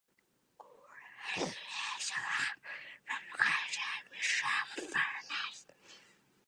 Goswami learned sarangi first from Kanhaiyalal Mishra of Varanasi.